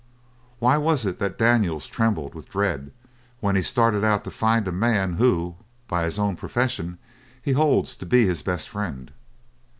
Why was it that Daniels trembled with dread when he started out to find a man who, by his own profession, he holds to be his best friend?